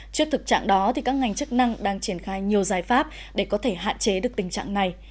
trước thực trạng đó các ngành chức năng đang triển khai nhiều giải pháp để có thể hạn chế được tình trạng này